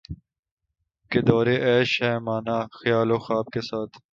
کہ دورِ عیش ہے مانا خیال و خواب کے ساتھ